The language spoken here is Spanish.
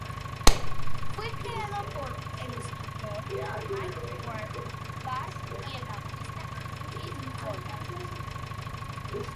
Fue creado por el escritor Mike W. Barr y el artista Keith Pollard.